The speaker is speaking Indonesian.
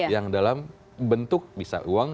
yang dalam bentuk bisa uang